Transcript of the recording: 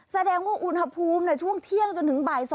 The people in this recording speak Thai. แสดงว่าอุณหภูมิช่วงเที่ยงจนถึงบ่าย๒